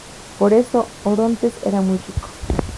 Por esto, Orontes era muy rico.